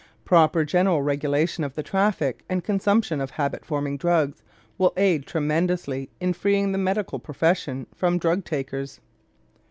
Proper general regulation of the traffic and consumption of habit forming drugs will aid tremendously in freeing the medical profession from drug takers.